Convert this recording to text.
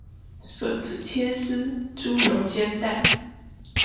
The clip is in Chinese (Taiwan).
筍子切絲，豬油煎蛋